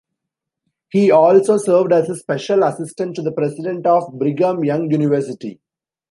He also served as a special assistant to the president of Brigham Young University.